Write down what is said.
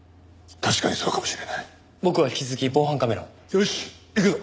よし行くぞ！